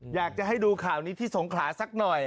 อยากจะให้ดูข่าวนี้ที่สงขลาสักหน่อย